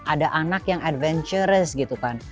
ada anak yang adventures gitu kan